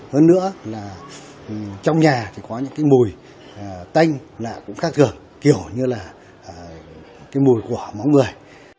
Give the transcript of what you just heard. hơn nữa là trong nhà có những mùi tanh cũng khác gần kiểu như là mùi của máu người